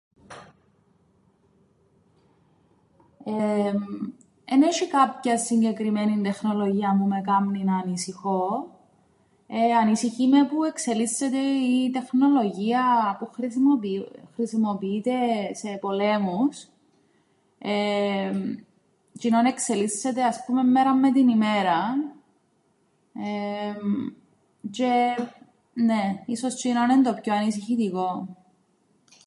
Εεεμ εν εσ̆ει κάποιαν συγκεκριμένην τεχνολογίαν που με κάμνει να ανησυχώ, ε, ανησυχεί με που εξελίσσεται η τεχνολογία που χρησιμοποιείται σε πολέμους, εμ, τζ̆είνον εξελίσσεται ας πούμεν μέραν με την ημέραν, εεεμ, τζ̆αι νναι, ίσως τζ̆είνον εν' το πιο ανησυχητικόν.